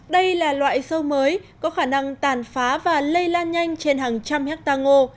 đây là loại sâu mới có khả năng tàn phá và lây lan nhanh trên hàng trăm hectare ngô